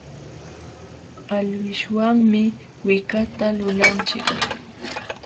Alwishwanmi wikata lulanchik.